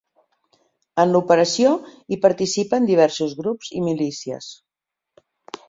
En l’operació hi participen diversos grups i milícies.